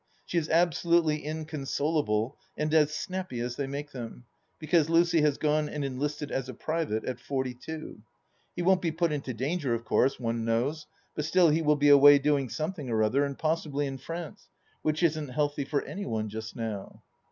She is absolutely inconsolable, and as snappy as they make them, because Lucy has gone and enlisted as a private — at forty two. He won't be put into danger of course, one knows, but still he will be away doing something or other, and possibly in France, which isn't " healthy " for any one just now.